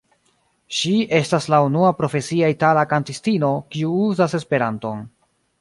Ŝi estas la unua profesia itala kantistino, kiu uzas esperanton.